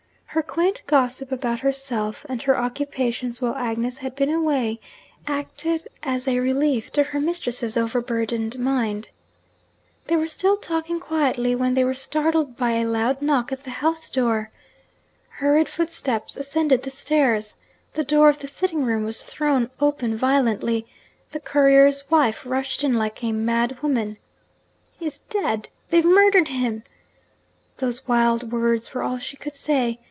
Her quaint gossip about herself and her occupations while Agnes had been away, acted as a relief to her mistress's overburdened mind. They were still talking quietly, when they were startled by a loud knock at the house door. Hurried footsteps ascended the stairs. The door of the sitting room was thrown open violently; the courier's wife rushed in like a mad woman. 'He's dead! They've murdered him!' Those wild words were all she could say.